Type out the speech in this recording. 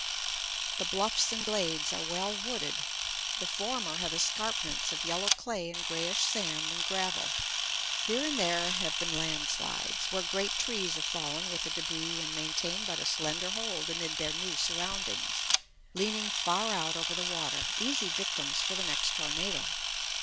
The bluffs and glades are well wooded. The former have escarpments of yellow clay and grayish sand and gravel; here and there have been landslides, where great trees have fallen with the débris and maintain but a slender hold amid their new surroundings, leaning far out over the water, easy victims for the next tornado.